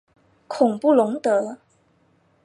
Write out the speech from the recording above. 孔布龙德。